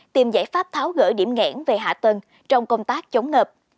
tìm giải pháp tháo gỡ điểm nghẽn về hạ tầng trong công tác chống ngập